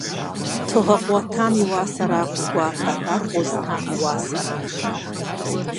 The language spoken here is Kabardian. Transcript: Тыгъэ къуатам и уасэракъым гуапэр, ар къозытам и уасэращ.